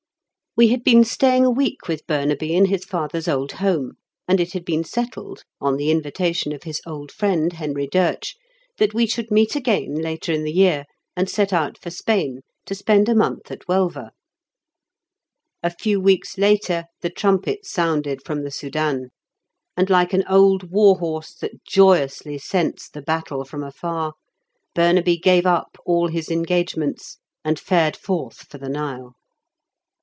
We had been staying a week with Burnaby in his father's old home, and it had been settled, on the invitation of his old friend Henry Doetsch, that we should meet again later in the year, and set out for Spain to spend a month at Huelva. A few weeks later the trumpet sounded from the Soudan, and like an old war horse that joyously scents the battle from afar, Burnaby gave up all his engagements, and fared forth for the Nile.